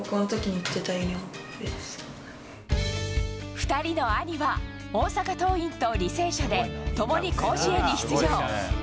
２人の兄は大阪桐蔭と履正社で共に甲子園に出場。